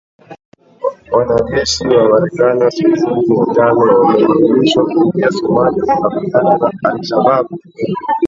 Wanajeshi wa Marekani wasiozidi mia tano wameidhinishwa kuingia Somalia kukabiliana na Al Shabaab